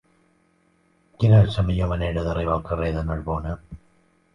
Quina és la millor manera d'arribar al carrer de Narbona?